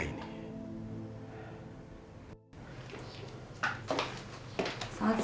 apakah ada recuperasi